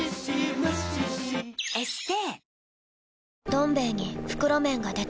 「どん兵衛」に袋麺が出た